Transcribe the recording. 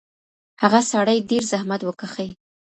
هغه سړي ډېر زحمت وکښی.